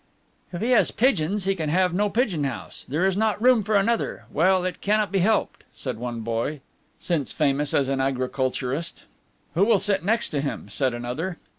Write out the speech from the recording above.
"If he has pigeons, he can have no pigeon house; there is not room for another. Well, it cannot be helped," said one boy, since famous as an agriculturist. "Who will sit next to him?" said another.